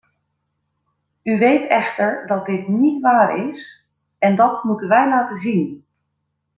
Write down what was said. U weet echter dat dit niet waar is, en dat moeten wij laten zien.